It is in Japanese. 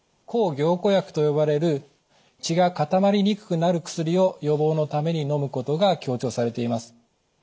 抗凝固薬と呼ばれる血が固まりにくくなる薬を予防のためにのむことが強調されています。